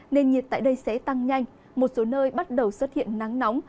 nền nhiệt tại đây sẽ tăng nhanh một số nơi bắt đầu xuất hiện nắng nóng